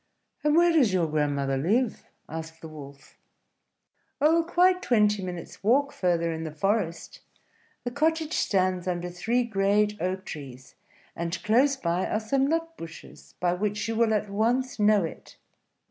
"And where does your grandmother live?" asked the Wolf. "Oh, quite twenty minutes' walk further in the forest. The cottage stands under three great oak trees; and close by are some nut bushes, by which you will at once know it."